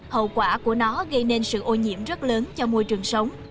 hậu quả của nó gây nên sự ô nhiễm rất lớn cho môi trường sống